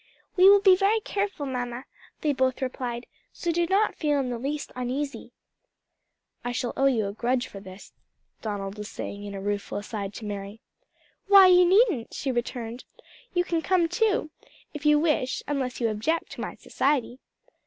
"We will be very careful, mamma," they both replied, "so do not feel in the least uneasy." "I shall owe you a grudge for this." Donald was saying in a rueful aside to Mary. "Why, you needn't," she returned; "you can come too, if you wish, unless you object to my society."